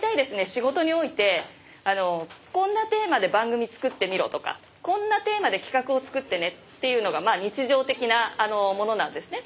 仕事においてこんなテーマで番組作ってみろとかこんなテーマで企画を作ってねっていうのが日常的なものなんですね。